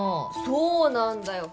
そうなんだよ